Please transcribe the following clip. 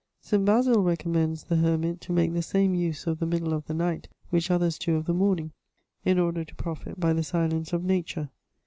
St. Basil recommends the hermit to make the same use of the middle of the night which others do of the morning, in order to profit by the silence of nature.